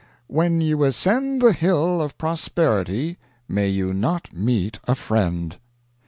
"When you ascend the hill of prosperity may you not meet a friend."